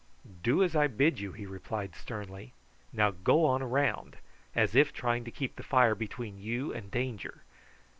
"Do as I bid you," he replied sternly. "Now go on round, as if trying to keep the fire between you and danger.